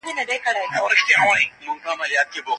تعليم شوې نجونې د ګډو ستونزو پېژندنه ښه کوي.